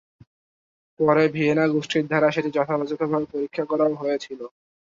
পরে ভিয়েনা গোষ্ঠীর দ্বারা সেটি যথাযথভাবে পরীক্ষা করাও হয়েছিল।